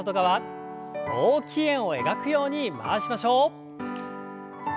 大きい円を描くように回しましょう。